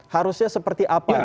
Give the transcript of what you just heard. harusnya seperti apa